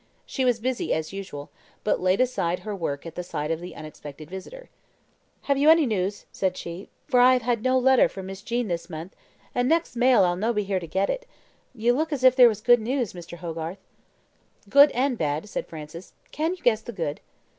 She was busy, as usual, but laid aside her work at the sight of the unexpected visitor. "Have you any news?" said she, "for I have had no letter from Miss Jean this month, and next mail I'll no be here to get it. You look as if there was good news, Mr. Hogarth." "Good and bad," said Francis; "can you guess the good?"